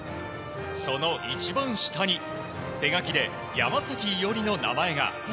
その一番下に手書きで手書きで山崎伊織の名前が。